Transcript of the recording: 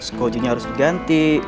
skogjinya harus diganti